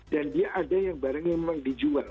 dan dia ada yang barang yang memang dijual